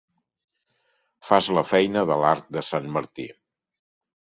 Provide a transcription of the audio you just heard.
Fas la feina de l'arc de sant Martí.